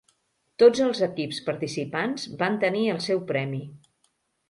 Tots els equips participants van tenir el seu premi.